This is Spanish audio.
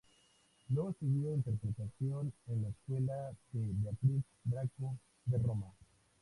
Luego estudió interpretación en la escuela de Beatriz Bracco de Roma.